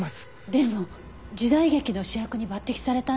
でも時代劇の主役に抜擢されたんじゃ。